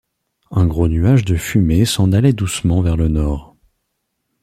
Un gros nuage de fumée s’en allait doucement vers le nord.